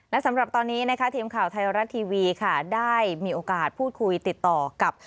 และสำหรับตอนนี้นะคะทีมข่าวไทยรัฐทีวีค่ะได้มีโอกาสพูดคุยติดต่อกับ